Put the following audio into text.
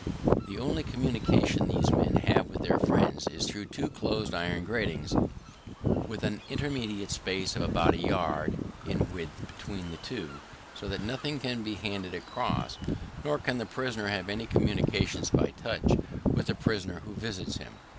The only communication these men have with their friends, is through two close iron gratings, with an intermediate space of about a yard in width between the two, so that nothing can be handed across, nor can the prisoner have any communication by touch with the person who visits him.